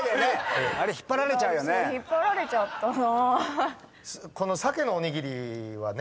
引っ張られちゃったな。